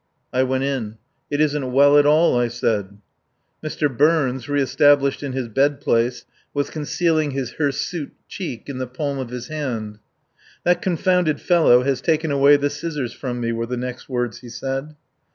I went in. "It isn't well at all," I said. Mr. Burns, reestablished in his bed place, was concealing his hirsute cheek in the palm of his hand. "That confounded fellow has taken away the scissors from me," were the next words he said.